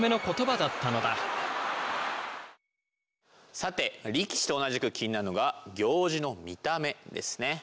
さて力士と同じく気になるのが行司の見た目ですね。